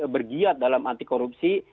bergiat dalam anti korupsi